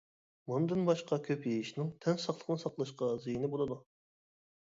مۇندىن باشقا كۆپ يېيىشنىڭ تەن ساقلىقىنى ساقلاشقا زىيىنى بولىدۇ.